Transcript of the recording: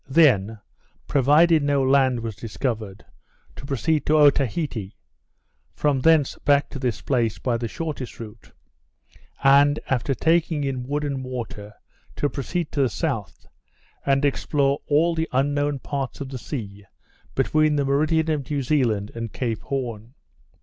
then, provided no land was discovered; to proceed to Otaheite; from thence back to this place, by the shortest route; and after taking in wood and water, to proceed to the south, and explore all the unknown parts of the sea between the meridian of New Zealand and Cape Horn.